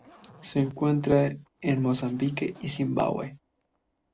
Se encuentra en Mozambique y Zimbabue.